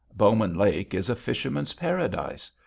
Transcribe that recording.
Bowman Lake is a fisherman's paradise.